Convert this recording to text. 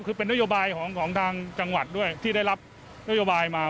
คือเป็นโนโยใหม่ของของทางจังหวัดด้วยที่ได้รับโนโยใหม่มา